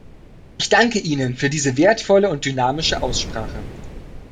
Ich danke Ihnen für diese wertvolle und dynamische Aussprache.